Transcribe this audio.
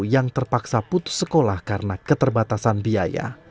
yang terpaksa putus sekolah karena keterbatasan biaya